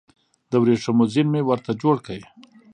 د وریښمو زین مې ورته جوړ کړ